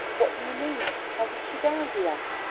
What do you mean? How did she die?" he asked.